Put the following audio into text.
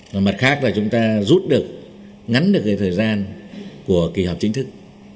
và mặt khác là chúng ta rút được ngắn được cái thời gian của kỳ họp chính thức